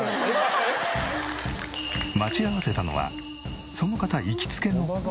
待ち合わせたのはその方行きつけの公園。